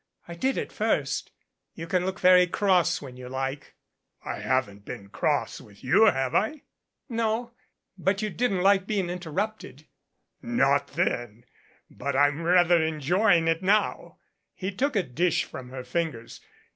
I did at first. You can look very cross when you like." 44 BREAD AND SALT "I haven't been cross with you, have I?" "No. But you didn't like being interrupted." "Not then but I'm rather enjoying it now." He took a dish from her fingers.